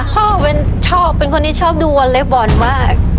พ่อชอบเป็นคนที่ชอบดูวอเล็กบอลมาก